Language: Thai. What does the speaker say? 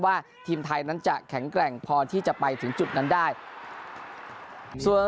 ว่าทีมไทยนั้นจะแข็งแกร่งพอที่จะไปถึงจุดนั้นได้ส่วน